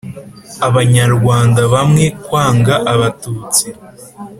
abanyarwanda bamwe kwanga abatutsi